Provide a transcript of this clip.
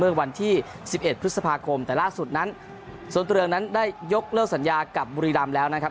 เมื่อวันที่สิบเอ็ดพฤษภาคมแต่ล่าสุดนั้นส่วนตรวงนั้นได้ยกเลิกสัญญากับบุรีรามแล้วนะครับ